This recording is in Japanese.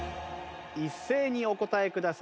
一斉にお答えください。